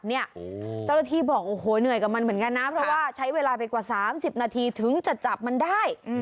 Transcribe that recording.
เจ้ารถที่บอกเหนื่อยกับมันเหมือนกันนะ